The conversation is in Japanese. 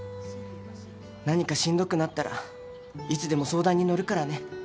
何かしんどくなったらいつでも相談に乗るからね。